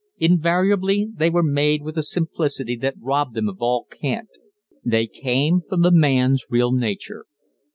Invariably they were made with a simplicity that robbed them of all cant; they came from the man's real nature.